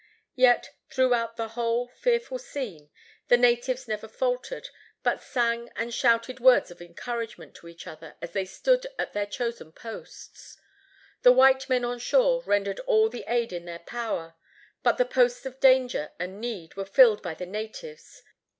Yet, throughout the whole fearful scene, the natives never faltered, but sang and shouted words of encouragement to each other as they stood at their chosen posts. The white men on shore rendered all the aid in their power; but the posts of danger and need were filled by the natives.